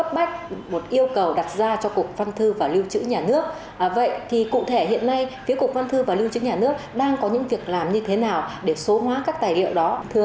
phía cục văn thư và lưu trữ nhà nước đang có những việc làm như thế nào để số hóa các tài liệu đó